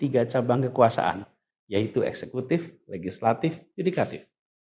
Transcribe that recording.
tiga cabang kekuasaan yaitu eksekutif legislatif yudikatif